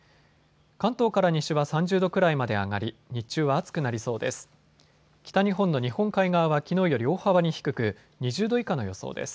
関東から西は３０度くらいまで上がり、日中は暑くなりそうです。